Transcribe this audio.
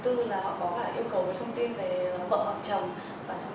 thứ tư là họ có yêu cầu thông tin về vợ hoặc chồng